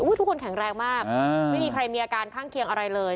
ทุกคนแข็งแรงมากไม่มีใครมีอาการข้างเคียงอะไรเลย